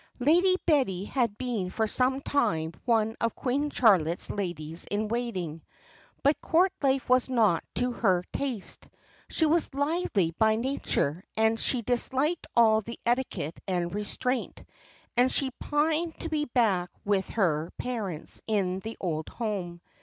"Lady Betty had been for some time one of Queen Charlotte's ladies in waiting. But Court life was not to her taste; she was lively by nature, and she disliked all the etiquette and restraint, and she pined to be back with her parents in the old home.